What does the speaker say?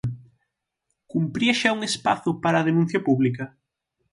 Cumpría xa un espazo para a denuncia pública?